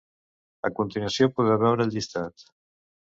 A continuació podeu veure el llistat.